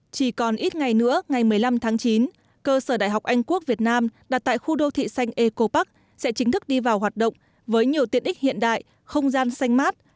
chỉ còn ít ngày nữa ngày một mươi năm tháng chín cơ sở đại học anh quốc việt nam đặt tại khu đô thị xanh eco park sẽ chính thức đi vào hoạt động với nhiều tiện ích hiện đại không gian xanh mát